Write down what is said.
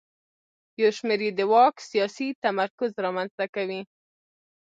یو شمېر یې د واک سیاسي تمرکز رامنځته کوي.